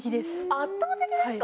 圧倒的ですか？